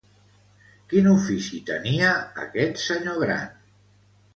Quin ofici tenia, aquest senyor gran?